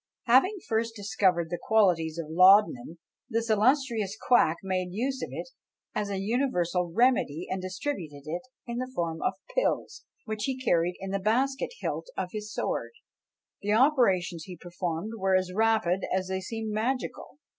Having first discovered the qualities of laudanum, this illustrious quack made use of it as an universal remedy, and distributed it in the form of pills, which he carried in the basket hilt of his sword; the operations he performed were as rapid as they seemed magical.